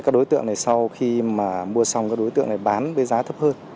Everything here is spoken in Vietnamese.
các đối tượng này sau khi mà mua xong các đối tượng này bán với giá thấp hơn